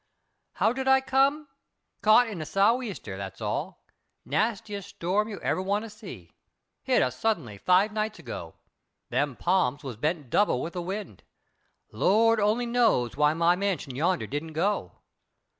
"How did I come? Caught in a sou'easter, that's all. Nastiest storm you ever want to see. Hit us suddenly five nights ago. Them palms was bent double with the wind. Lord only knows why my mansion yonder didn't go.